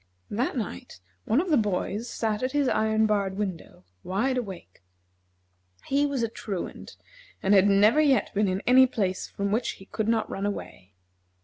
That night one of the boys sat at his iron barred window, wide awake. He was a Truant, and had never yet been in any place from which he could not run away.